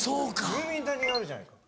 ムーミン谷があるじゃないか。